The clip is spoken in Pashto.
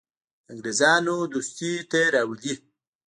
د انګرېزانو دوستي ته راولي.